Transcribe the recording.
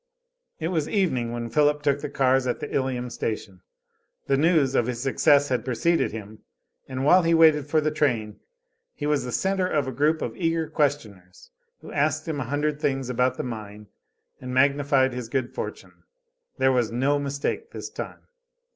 It was evening when Philip took the cars at the Ilium station. The news of his success had preceded him, and while he waited for the train, he was the center of a group of eager questioners, who asked him a hundred things about the mine, and magnified his good fortune. There was no mistake this time.